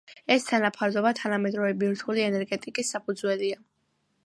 ეს თანაფარდობა თანამედროვე ბირთვული ენერგეტიკის საფუძველია.